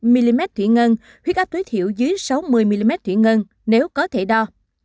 sáu sáu mươi mm thủy ngân huyết áp tối thiểu dưới sáu mươi mm thủy ngân nếu có thể đo